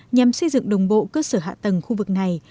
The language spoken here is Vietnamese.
nhằm xây dựng đồng bộ cơ sở hạ tầng khu vực này